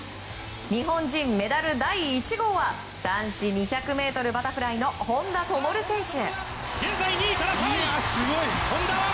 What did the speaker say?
日本人メダル第１号は男子２００ｍバタフライ本多灯選手。